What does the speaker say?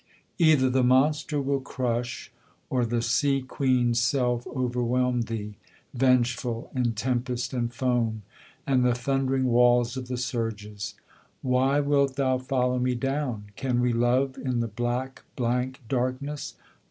Either the monster will crush, or the sea queen's self overwhelm thee, Vengeful, in tempest and foam, and the thundering walls of the surges. Why wilt thou follow me down? can we love in the black blank darkness?